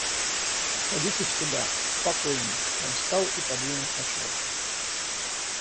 Садитесь сюда, спокойнее... — Он встал и подвинул качалку.